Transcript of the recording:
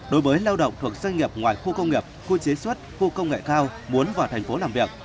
đối với lao động thuộc doanh nghiệp ngoài khu công nghiệp khu chế xuất khu công nghệ cao muốn vào thành phố làm việc